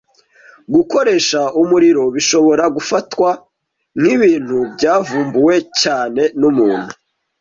Gukoresha umuriro bishobora gufatwa nkibintu byavumbuwe cyane numuntu.